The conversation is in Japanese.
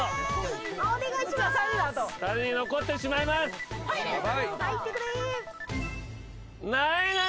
２人に残ってしまいます。わ！